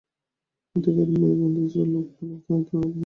মতি গায়ের মেয়ে, বন্ধু যে লোক ভালো নয় সে তা বুঝিতে পারে।